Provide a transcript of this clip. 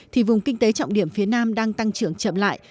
thì vùng kinh tế trọng điểm phía nam đang tăng trưởng chậm lại